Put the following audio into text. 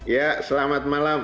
ya selamat malam